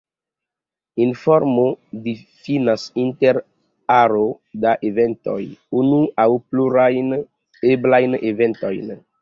Informo difinas, inter aro da eventoj, unu aŭ plurajn eblajn eventojn.